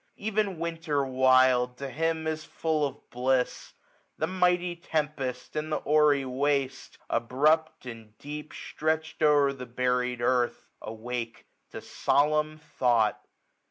Even Winter wild to him is full of bliss. 1JI5 The mighty tempest, and the hoary waste^ Abrupt, and deep, stretch'd o'er the buried earth. Awake to solemn thought.